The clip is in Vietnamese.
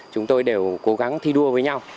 chúng tôi đều cố gắng thi đua với nhau